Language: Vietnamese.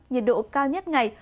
nhiệt độ cao nhất ngày